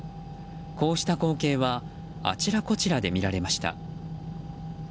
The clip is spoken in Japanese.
こうした光景はあちらこちらで見られました。